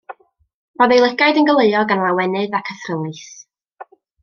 Roedd ei lygaid yn goleuo gan lawenydd ac athrylith.